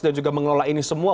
dan juga mengelola ini semua